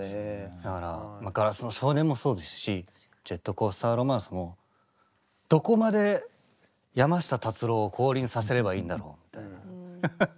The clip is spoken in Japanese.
だから「硝子の少年」もそうですし「ジェットコースター・ロマンス」もどこまで山下達郎を降臨させればいいんだろうみたいな。